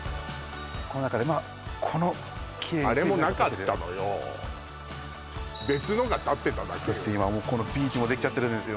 この中でまあこのあれもなかったのよ別のが立ってただけよこのビーチもできちゃってるんですよ